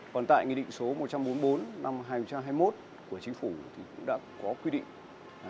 còn tại nghị định số một trăm bốn mươi bốn năm hai nghìn hai mươi một của chính phủ thì cũng đã có quy định